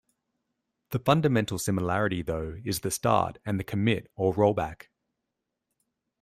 The fundamental similarity though is the start and the commit or rollback.